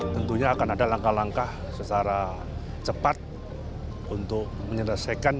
tentunya akan ada langkah langkah secara cepat untuk menyelesaikan